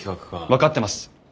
分かってます。